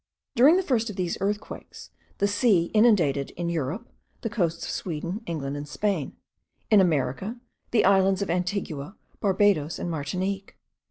During the first of these earthquakes, the sea inundated, in Europe, the coasts of Sweden, England, and Spain; in America, the islands of Antigua, Barbados, and Martinique.